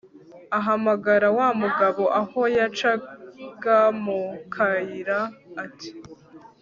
ahamagara wa mugabo aho yacaga mu kayira ati